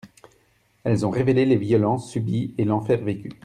Elles ont révélé les violences subies et l’enfer vécu.